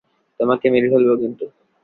তোমাকে মেরে ফেলবো কিন্তু!